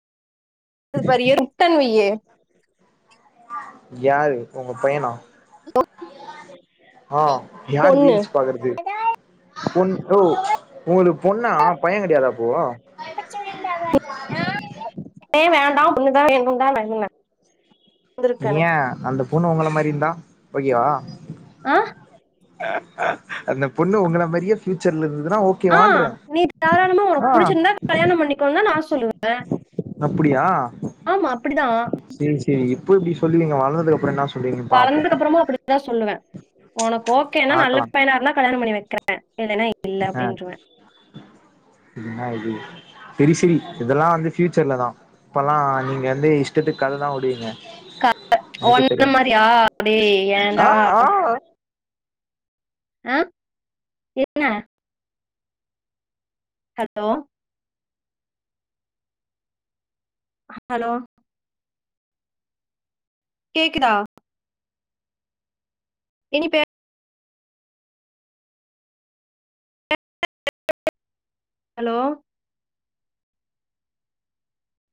க்குதுபாரு எரும் வுட்டன் வையி யாரு உங்க பையனா ஆ யார் பொண்ணு ரீல்ஸ் பாக்கறது பொண் ஓ உங்குளுக் பொண்ணா பைய கெடையாதா அப்போ வேண்டாம் ஒண்ணுதான் வேண்டும் தான் வே ஏ அந்த பொண்ணு உங்கள மாரி இருந்தா ஓகேவா ஆ அந்தப் பொண்ணு உங்கள மாரியே ஃபியூச்சர்ல இருந்ததுனா ஓக் ஆ நீ தாராளமா உனக் புடிச்சிருந்தா கல்யாணம் பண்ணிக்கோன்தா நா சொல்லுவே அப்டியா ஆமா அப்படிதான் சேரி சேரி இப்போ இப்டி சொல்லுவீங்க வளர்ந்ததுக்கப்றோ என்னாச் வளந்ததுக்கப்றமு அப்பிடிதா சொல்லுவே ஒனக் ஓக் கேனா பாக்கலா நல்லப் பையனா இருந்தாக் கல்யாணம் பண்ணி வெக்கறே இல்லனா இல்ல அப்டின்ருவே இன்னாது செரி செரி இதெல்லா வந்து ஃபியூச்சர்லதா இப்பலா நீங்க அந்து இஷ்டத்துக் கததா வுடுவிவங்க க- எனக்கேத் உன்ன தெரியு மாதிரியா டேய் ஆ ஏன்டா ஆ ஆ அ என்ன ஹலோ ஹலோ கேக்குதா இனிபே ஹலோ